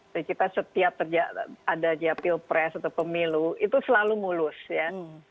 jadi kita setiap ada jatil pres atau pemilu itu selalu mulus ya